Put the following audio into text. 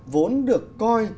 vốn được coi